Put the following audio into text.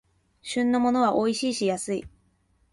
旬のものはおいしいし安い